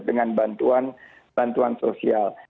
dengan bantuan bantuan sosial